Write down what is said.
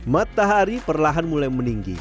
matahari perlahan mulai meninggi